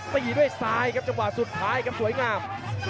ตีด้วยซ้ายครับจังหวะสุดท้ายครับสวยงาม